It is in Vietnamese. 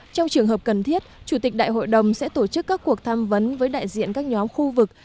trong trường hợp cần thiết chủ tịch đại hội đồng sẽ tổ chức các cuộc tham vấn với đại diện các nhóm khu vực